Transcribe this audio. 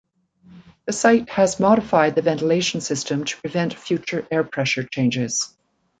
The site has modified the ventilation system to prevent future air pressure changes.